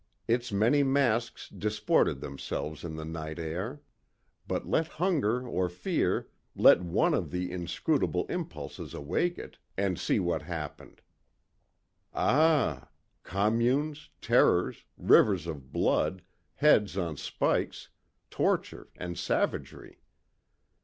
Its many masks disported themselves in the night air. But let hunger or fear, let one of the inscrutable impulses awake it, and see what happened. Ah! Communes, terrors, rivers of blood, heads on spikes, torture and savagery!